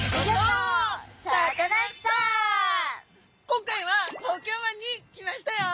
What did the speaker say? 今回は東京湾に来ましたよ！